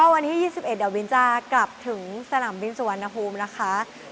วันที่๒๑เดี๋ยววินจะกลับถึงสนามบินสุวรรณภูมินะคะ